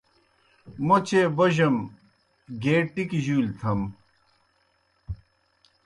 موْ چیئے بوجم، گیے ٹِکیْ جُولیْ تھم۔